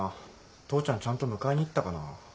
父ちゃんちゃんと迎えに行ったかな。